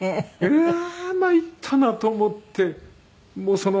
うわー参ったなと思ってその。